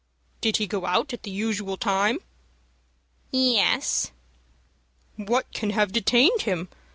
"Did he go out at the usual time?" "Yes." "What can have detained him?"